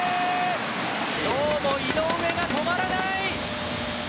今日も井上が止まらない。